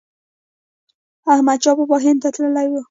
احمد شاه بابا هند ته تللی و.